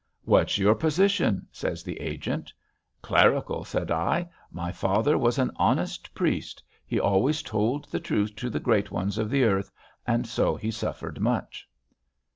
"'What's your position?' says the agent. "'Clerical,' said I. 'My father was an honest priest. He always told the truth to the great ones of the earth, and so he suffered much.'"